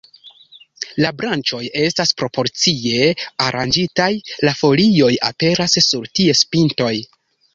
La branĉoj estas proporcie aranĝitaj, la folioj aperas sur ties pintoj.